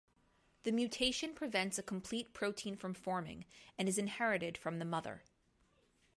The mutation prevents a complete protein from forming and is inherited from the mother.